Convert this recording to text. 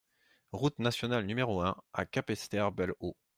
Route Nationale N° un à Capesterre-Belle-Eau